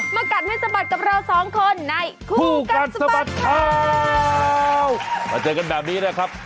มากัดไม่สะบัดกับเรา๒คนในครูกัดสะบัดมาเจอกันแบบนี้นะครับ